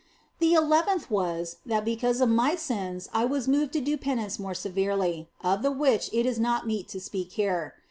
The eleventh was, that because of my sins I was moved to do penance more severely, of the which it is not meet to speak here.